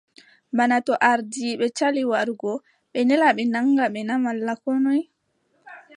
Bana to ardiiɓe cali warugo, ɓe nela ɓe naŋga ɓe na malla koo noy ?